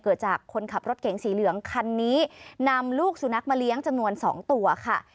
เกิดจากคนขับรถเก๋งสีเหลืองคันนี้นำลูกสุนัขมาเลี้ยงจำนวน๒ตัวค่ะ